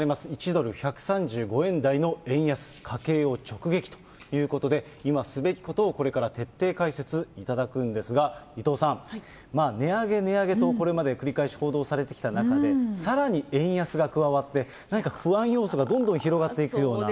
１ドル１３５円台の円安、家計を直撃ということで、今すべきことをこれから徹底解説いただくんですが、伊藤さん、値上げ、値上げとこれまで繰り返し報道されてきた中で、さらに円安が加わって、何か不安要素がどんどん広がっていくような。